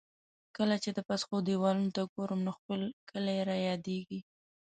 کله چې د پسخو دېوالونو ته ګورم، نو خپل کلی را یادېږي.